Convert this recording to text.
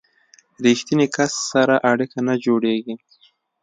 ریښتیني کس سره اړیکه نه جوړیږي.